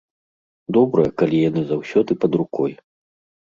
Добра, калі яны заўсёды пад рукой.